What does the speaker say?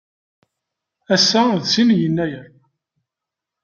Ass-a d sin Yennayer.